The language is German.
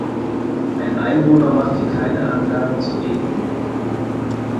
Ein Einwohner machten keine Angabe zur Ethnie.